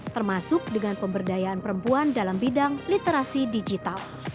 termasuk dengan pemberdayaan perempuan dalam bidang literasi digital